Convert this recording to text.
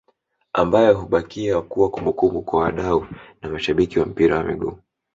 ambayo hubakia kuwa kumbukumbu kwa wadau na mashabiki wa mpira wa miguu